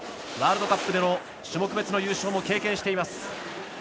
ワールドカップでの種目別の優勝も経験しています。